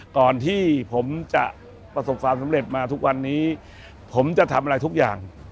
ก่อนที่ผมจะประสบความสำเร็จมาทุกวันนี้ผมจะทำอะไรทุกอย่าง